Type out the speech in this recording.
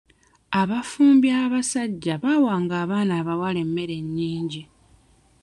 Abafumbi abasajja baawanga abaana abawala emmere nnyingi.